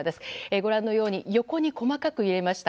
ご覧のように横に細かく揺れました。